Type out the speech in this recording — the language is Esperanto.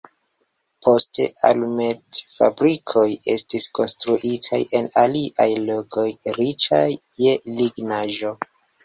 Poste alumetfabrikoj estis konstruitaj en aliaj lokoj, riĉaj je lignaĵo.